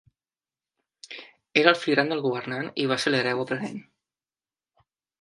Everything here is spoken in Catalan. Era el fill gran del governant i va ser l'hereu aparent.